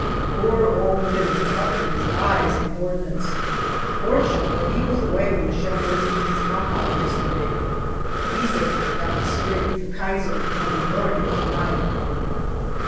Poor old Findlay up to his eyes in ordnance ; fortunately he was away when shell burst in his compound yesterday. He says, " Gott strafe the. Kaiser !" from morning to night.